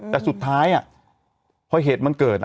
แต่สุดท้ายพอเหตุมันเกิด